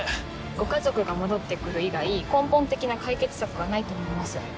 ご家族が戻って来る以外根本的な解決策はないと思います。